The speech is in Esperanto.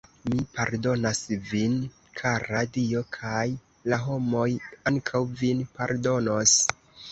Mi pardonas vin, kara; Dio kaj la homoj ankaŭ vin pardonos.